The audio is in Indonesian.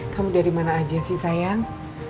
kamu dari mana aja sih sayang